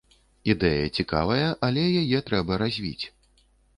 Ідэя цікавая, але яе трэба развіць.